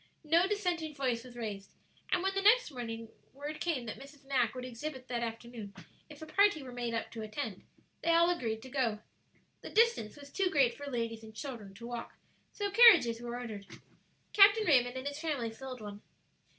No dissenting voice was raised, and when the next morning word came that Mrs. Mack would exhibit that afternoon if a party were made up to attend, they all agreed to go. The distance was too great for ladies and children to walk, so carriages were ordered. Captain Raymond and his family filled one.